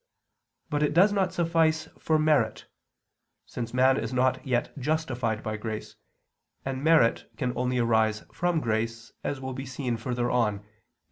But it does not suffice for merit, since man is not yet justified by grace, and merit can only arise from grace, as will be seen further on (Q.